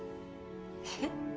えっ！？